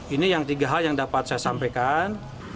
ini yang tiga hal yang dapat saya sampaikan